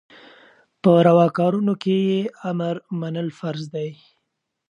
په رواکارونو کي يي امر منل فرض دي